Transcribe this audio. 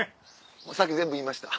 先全部言いました。